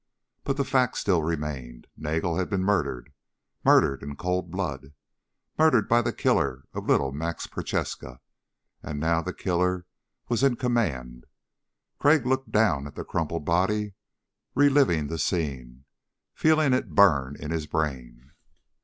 But the fact still remained: Nagel had been murdered. Murdered in cold blood. Murdered by the killer of little Max Prochaska. And now the killer was in command! Crag looked down at the crumpled body, reliving the scene, feeling it burn in his brain.